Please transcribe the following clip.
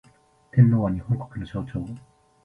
天皇は、日本国の象徴